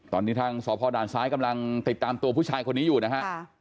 ตอนนี้ทางสพด่านซ้ายกำลังติดตามตัวผู้ชายคนนี้อยู่นะฮะ